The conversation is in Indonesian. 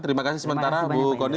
terima kasih sementara bu kony